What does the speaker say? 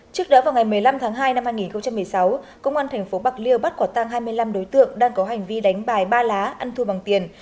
trước đó vào ngày một mươi năm tháng hai năm hai nghìn một mươi sáu công an tp bạc liêu bắt quả tăng hai mươi năm đối tượng đang có hành vi đánh bài ba lá ăn thua bằng tiền